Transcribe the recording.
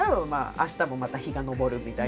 明日もまた日が昇るみたいな。